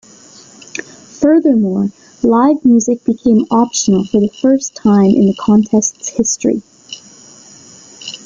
Furthermore, live music became optional for the first time in the Contest's history.